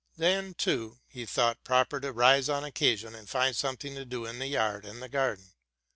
Then, too, he thought proper to rise on occasion and find something to do in the yard and the garden.